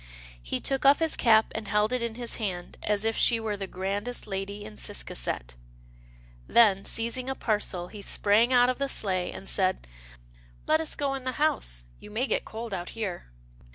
He took off his cap, and held it in his hand, as if she were the grandest lady in Ciscasset. Then, seizing a parcel, he sprang out of the sleigh, and said, " Let us go in the house. You may get cold out here."